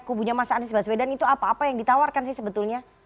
kubunya mas anies baswedan itu apa apa yang ditawarkan sih sebetulnya